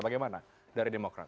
bagaimana dari demokrat